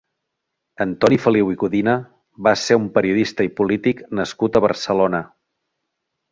Antoni Feliu i Codina va ser un periodista i polític nascut a Barcelona.